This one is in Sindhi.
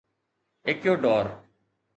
ايڪيوڊار